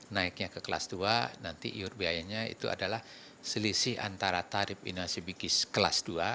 naiknya ke kelas dua nanti iur biayanya itu adalah selisih antara tarif inasi bikis kelas dua